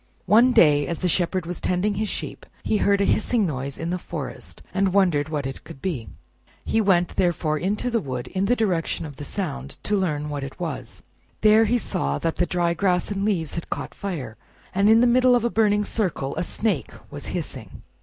One day, as the Shepherd was tending his sheep, he heard a hissing noise in the forest, and wondered what it could he. He went, therefore, into the wood in the direction of the sound, to learn what it was. There he saw that the dry grass and leaves had caught fire, and in the middle of a burning circle a Snake was hissing.